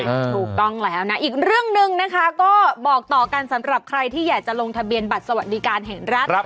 ถูกต้องแล้วนะอีกเรื่องหนึ่งนะคะก็บอกต่อกันสำหรับใครที่อยากจะลงทะเบียนบัตรสวัสดิการแห่งรัฐ